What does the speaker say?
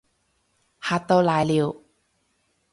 嚇到瀨尿